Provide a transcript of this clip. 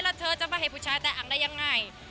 แล้วเธอจะมาให้ผู้ชายแต่อังได้ยังไง